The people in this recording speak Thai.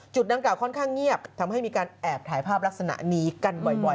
ดังกล่าค่อนข้างเงียบทำให้มีการแอบถ่ายภาพลักษณะนี้กันบ่อย